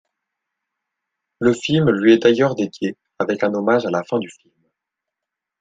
Le film lui est d'ailleurs dédié avec un hommage à la fin du film.